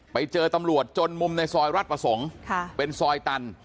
ไปเจอตำรวจจนมุมในซอยรัฐประสงค์เป็นซอยตัน